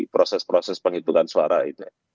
proses proses penghitungan suara itu